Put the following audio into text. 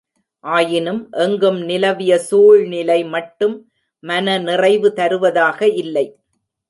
ஆயினும் எங்கும் நிலவிய சூழ்நிலை மட்டும் மனநிறைவு தருவதாக இல்லை.